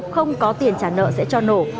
không có tiền trả nợ sẽ cho nổ